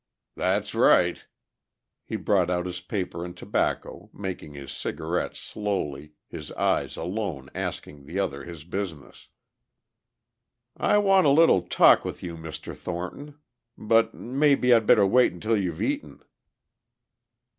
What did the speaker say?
"That's right." He brought out his paper and tobacco, making his cigarette slowly, his eyes alone asking the other his business. "I want a little talk with you, Mr. Thornton. But maybe I'd better wait until you've eaten?"